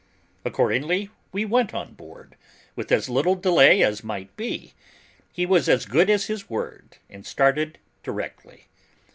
Accordingly, we went on board, with as little delay as might be. He was as good as his word, and started directly.